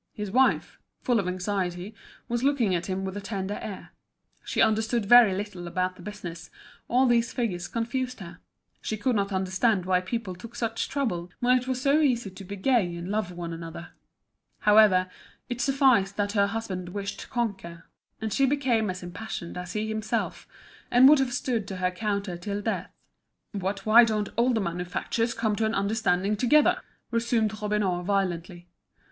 His wife, full of anxiety, was looking at him with a tender air. She understood very little about the business, all these figures confused her; she could not understand why people took such trouble, when it was so easy to be gay and love one another. However, it sufficed that her husband wished to conquer, and she became as impassioned as he himself, and would have stood to her counter till death. "But why don't all the manufacturers come to an understanding together?" resumed Robineau, violently.